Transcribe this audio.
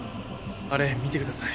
あれ見てください。